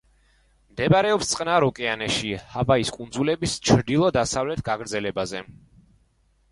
მდებარეობს წყნარ ოკეანეში, ჰავაის კუნძულების ჩრდილო-დასავლეთ გაგრძელებაზე.